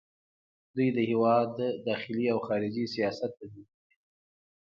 دوی د هیواد داخلي او خارجي سیاست تطبیقوي.